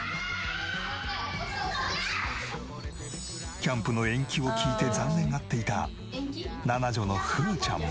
キャンプの延期を聞いて残念がっていた七女のふうちゃんも。